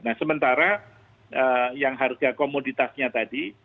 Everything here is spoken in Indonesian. nah sementara yang harga komoditasnya tadi